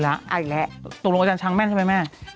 อีกแล้วตกลงอาจารย์ช้างแม่นใช่ไหมแม่อีกแล้ว